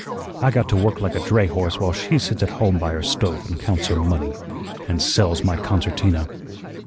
I got to work like a dray horse while she sits at home by her stove and counts her money and sells my concertina."